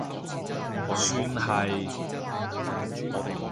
算係